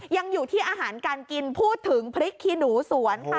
ยังอยู่ที่อาหารการกินพูดถึงพริกขี้หนูสวนค่ะ